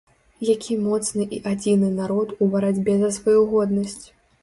Які моцны і адзіны народ у барацьбе за сваю годнасць.